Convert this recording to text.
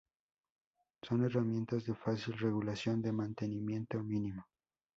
Son herramientas de fácil regulación, de mantenimiento mínimo.